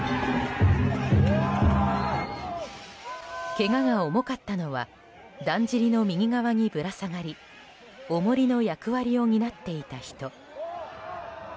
けがが重かったのはだんじりの右側にぶら下がり重りの役割を担っていた人。